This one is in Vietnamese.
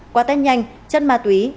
quả tăng nhanh chất ma túy